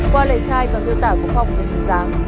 qua lời khai và gợi tả của phong về hình dáng